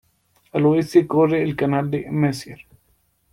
Al oeste corre el canal Messier.